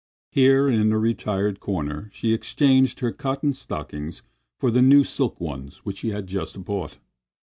Here, in a retired corner, she exchanged her cotton stockings for the new silk ones which she had just bought.